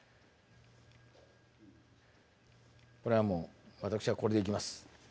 これはもう私はこれでいきます。